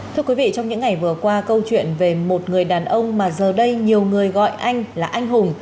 thưa quý vị trong những ngày vừa qua câu chuyện về một người đàn ông mà giờ đây nhiều người gọi anh là anh hùng